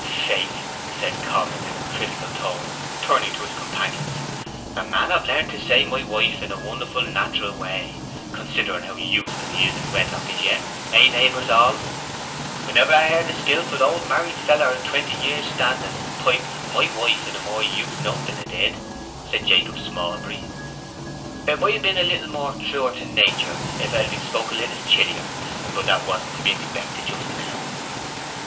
"Faith," said Coggan, in a critical tone, turning to his companions, "the man hev learnt to say 'my wife' in a wonderful naterel way, considering how very youthful he is in wedlock as yet—hey, neighbours all?" "I never heerd a skilful old married feller of twenty years' standing pipe 'my wife' in a more used note than 'a did," said Jacob Smallbury. "It might have been a little more true to nater if't had been spoke a little chillier, but that wasn't to be expected just now."